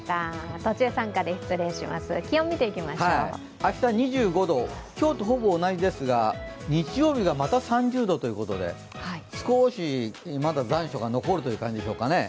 明日２５度、今日とほぼ同じですが日曜日がまた３０度ということで、少し残暑が残るという感じでしょうかね。